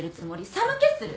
寒気する！